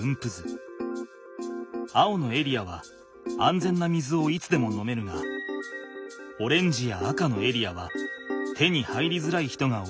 青のエリアは安全な水をいつでも飲めるがオレンジや赤のエリアは手に入りづらい人が多い地域だ。